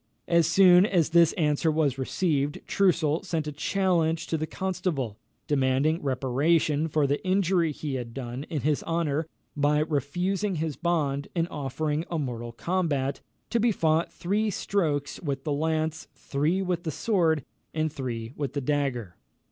As soon as this answer was received, Troussel sent a challenge to the Constable, demanding reparation for the injury he had done his honour, by refusing his bond, and offering a mortal combat, to be fought three strokes with the lance, three with the sword, and three with the dagger.